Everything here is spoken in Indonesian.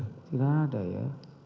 gak ada ya